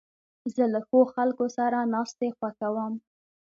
زه له ښو خلکو سره ناستې خوښوم.